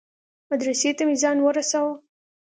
مدرسې ته مې ځان ورساوه.